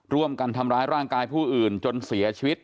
ร่วมกันทำร้ายร่างกายผู้อื่นจนเสียชีวิต